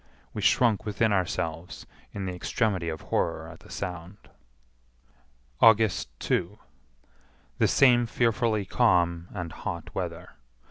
We shrunk within ourselves in the extremity of horror at the sound. August 2. The same fearfully calm and hot weather.